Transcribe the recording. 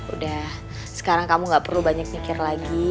udah sekarang kamu gak perlu banyak nyikir lagi